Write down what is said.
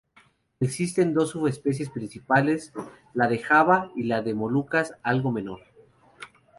Existen dos subespecies principales, la de Java y la de las Molucas, algo menor.